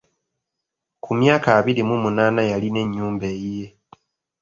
Ku myaka abiri mu munaana yalina ennyumba eyiye.